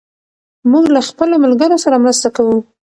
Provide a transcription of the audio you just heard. موږ له خپلو ملګرو سره مرسته کوو.